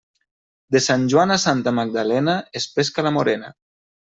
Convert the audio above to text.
De Sant Joan a Santa Magdalena es pesca la morena.